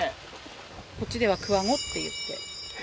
こっちではクワゴっていって。